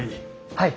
はい。